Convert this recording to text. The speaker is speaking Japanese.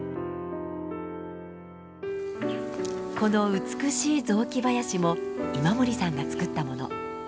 この美しい雑木林も今森さんがつくったもの。